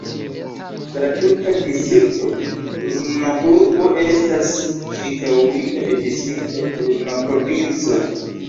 La tuta distrikto Brno-urbo estas ĉirkaŭita de distrikto Brno-provinco.